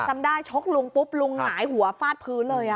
จำได้ชกลุงปุ๊บลุงหงายหัวฟาดพื้นเลย